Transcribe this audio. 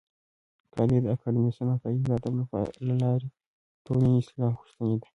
کانديد اکاډميسن عطایي د ادب له لارې د ټولني اصلاح غوښتې ده.